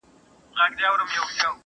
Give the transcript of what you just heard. په ځنګله کي د خپل ښکار په ننداره سو,